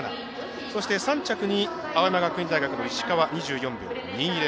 そして３着に青山学院大学の石川、２４秒２０。